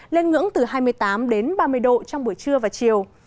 lên ngưỡng từ hai mươi tám đến ba mươi độ trong buổi trưa và chiều